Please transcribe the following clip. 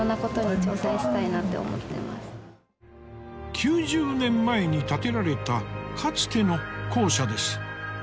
９０年前に建てられたかつての校舎です。